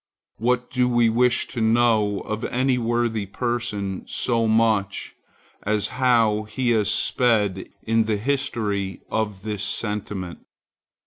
What do we wish to know of any worthy person so much, as how he has sped in the history of this sentiment?